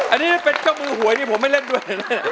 อันนี้เป็นเจ้ามือหวยที่ผมไม่เล่นด้วยนะ